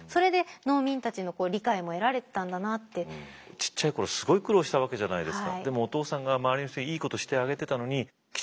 ちっちゃい頃すごい苦労したわけじゃないですか。